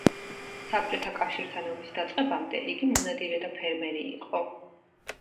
საბჭოთა კავშირთან ომის დაწყებამდე იგი მონადირე და ფერმერი იყო.